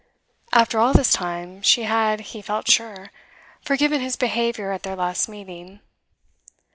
After all this time, she had, he felt sure, forgiven his behaviour at their last meeting.